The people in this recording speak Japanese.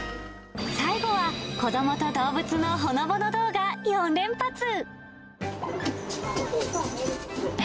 最後は子どもと動物のほのぼの動画４連発。